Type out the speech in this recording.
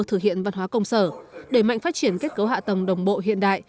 thực hiện văn hóa công sở đẩy mạnh phát triển kết cấu hạ tầng đồng bộ hiện đại